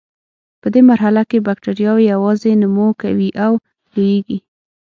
په دې مرحله کې بکټریاوې یوازې نمو کوي او لویږي.